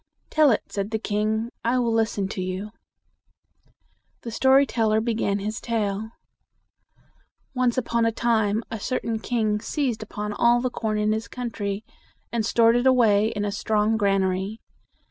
"Tell it," said the king. "I will listen to you." The story teller began his tale. "Once upon a time a certain king seized upon all the corn in his country, and stored it away in a strong gran a ry.